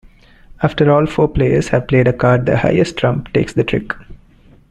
After all four players have played a card, the highest trump takes the trick.